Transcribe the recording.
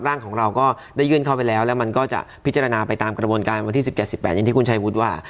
ร่างของเราก็ได้ยื่นเข้าไปแล้วแล้วมันก็จะพิจารณาไปตามกระบวนการวันที่๑๗๑๘อย่างที่คุณชายวุฒิว่า